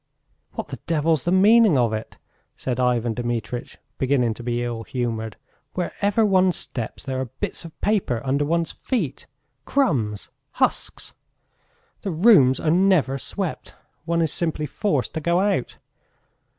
"What the devil's the meaning of it?" said Ivan Dmitritch, beginning to be ill humoured. "Wherever one steps there are bits of paper under one's feet, crumbs, husks. The rooms are never swept! One is simply forced to go out.